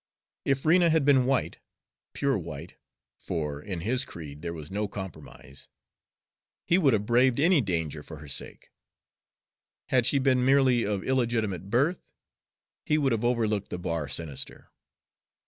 If Rena had been white, pure white (for in his creed there was no compromise), he would have braved any danger for her sake. Had she been merely of illegitimate birth, he would have overlooked the bar sinister.